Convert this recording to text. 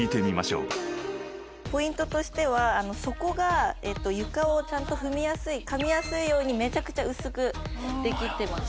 ポイントとしては底が床をちゃんと踏みやすいかみやすいようにめちゃくちゃ薄くできてます。